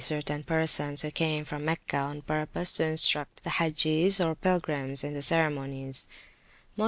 certain persons who came from Mecca on purpose to instruct the Hagges, or pilgrims, in the ceremonies (most [p.